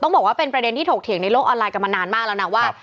บอกว่าเป็นประเด็นที่ถกเถียงในโลกออนไลน์กันมานานมากแล้วนะว่า